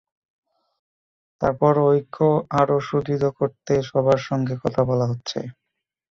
তার পরও ঐক্য আরও সুদৃঢ় করতে সবার সঙ্গে কথা বলা হচ্ছে।